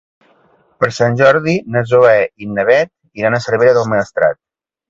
Per Sant Jordi na Zoè i na Bet iran a Cervera del Maestrat.